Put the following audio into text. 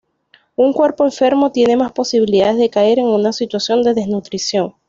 Un cuerpo enfermo tiene más posibilidades de caer en una situación de desnutrición.